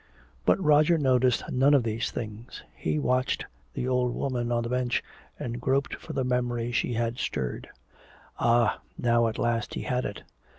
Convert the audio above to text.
But Roger noticed none of these things. He watched the old woman on the bench and groped for the memory she had stirred. Ah, now at last he had it.